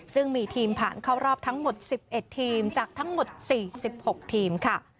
ซึ่งมีทีมผ่านเข้ารอบทั้งหมด๑๑ทีมจากทั้งหมด๔๖ทีมค่ะ